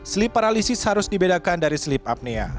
sleep paralisis harus dibedakan dari sleep apnea